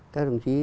các đồng chí